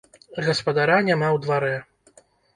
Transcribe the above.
Гаспадара няма ў дварэ.